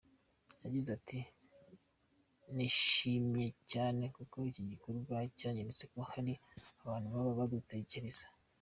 Yagize ati “Nishimye cyane kuko iki gikorwa cyanyeretse ko hari abantu baba badutekereza.